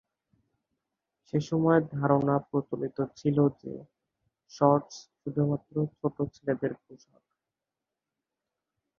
সেসময় ধারণা প্রচলিত ছিলো যে, শর্টস শুধুমাত্র ছোট ছেলেদের পোশাক।